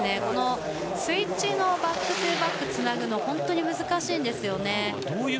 スイッチのバックトゥバックをつなぐのは本当に難しいんですよね。